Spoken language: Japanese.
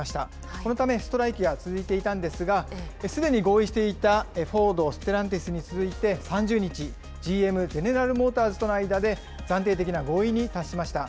このためストライキが続いていたんですが、すでに合意していたフォード、ステランティスに続いて３０日、ＧＭ・ゼネラル・モーターズとの間で暫定的な合意に達しました。